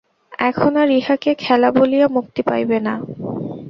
এখন আর ইহাকে খেলা বলিয়া মুক্তি পাইবে না।